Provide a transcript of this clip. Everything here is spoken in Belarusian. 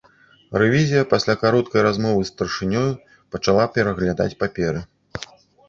Рэвізія пасля кароткай размовы з старшынёю пачала пераглядаць паперы.